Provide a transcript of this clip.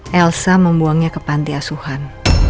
elsa membuangnya ke panti asuhan